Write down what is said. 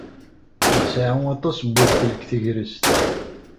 Nseɛɛu aṭas n wedfel deg tegrest.